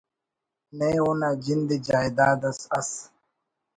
نئے اونا جند ءِ جائیداد اس ئس